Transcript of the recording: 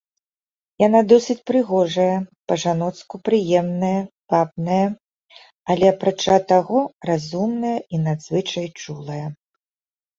Яна досыць прыгожая, па-жаноцку прыемная, вабная, але, апрача таго, разумная і надзвычай чулая.